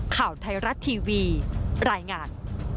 ข่าวไทยรัฐทีวีรายงาน